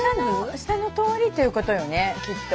下の通りということよねきっと。